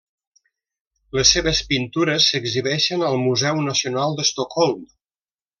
Les seves pintures s'exhibeixen al Museu Nacional d'Estocolm.